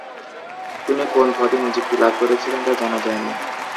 তিনি কোন পদে নিযুক্তি লাভ করেছিলেন তা জানা যায়নি।